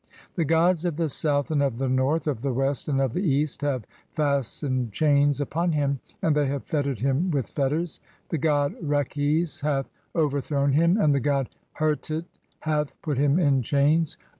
The gods of the south and of the north, "of the west and of the (9) east have fastened chains upon him, "and they have fettered him with fetters ; the god Rekes hath "overthrown him and the god Hertit hath put him in chains.